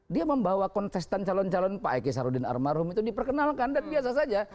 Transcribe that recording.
dia membawa kontestan calon calon pak eke sarudin arum itu diperkenalkan dan biasa saja